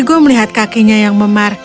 ego melihat kakinya yang memar